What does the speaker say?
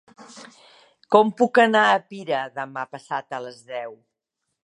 Com puc anar a Pira demà passat a les deu?